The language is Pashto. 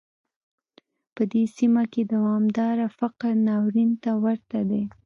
په دې سیمه کې دوامداره فقر ناورین ته ورته دی.